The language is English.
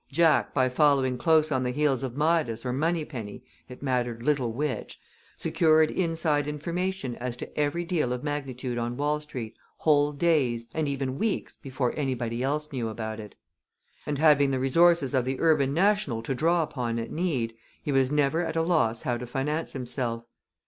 Jack, by following close on the heels of Midas or Moneypenny, it mattered little which, secured inside information as to every deal of magnitude on Wall Street whole days, and even weeks, before anybody else knew about it; and having the resources of the Urban National to draw upon at need, he was never at a loss how to finance himself.